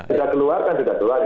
bisa keluar kan sudah keluar